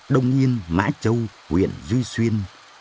đông nhiên mã châu huyện duy xuyên